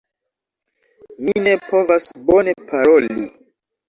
Mi ne povas bone paroli.